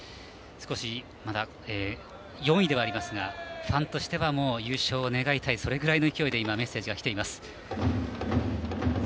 また４位ではありますがファンとしてはもう優勝をねらいたいという勢いでメッセージが届いています。